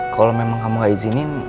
kalau memang kamu gak izinin